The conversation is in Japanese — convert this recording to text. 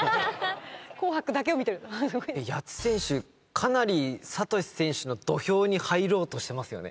かなりサトシ選手の土俵に入ろうとしてますよね。